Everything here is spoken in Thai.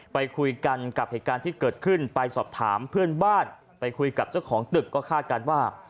ไปคุยกันกับเหตุการณ์ที่เกิดขึ้นไปสอบถามเพื่อนบ้านไปคุยกับเจ้าของตึกก็คาดการณ์ว่า